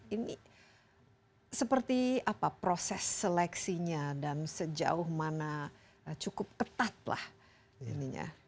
ini seperti apa proses seleksinya dan sejauh mana cukup ketat lah ininya